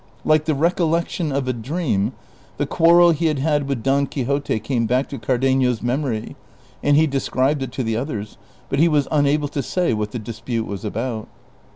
Like the recollection of a dream, the quarrel he had had with Don Quixote came back to Cardenio's memory, and he described it to the others ; but he was unable to say what the dispute A\as about.